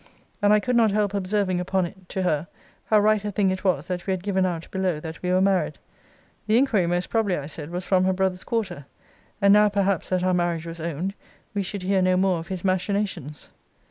And I could not help observing upon it, to her, how right a thing it was that we had given out below that we were married. The inquiry, most probably, I said, was from her brother's quarter; and now perhaps that our marriage was owned, we should hear no more of his machinations.